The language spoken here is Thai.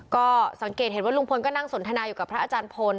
ก็สังเกตเห็นว่าลุงพลก็นั่งสนทนาอยู่กับพระอาจารย์พล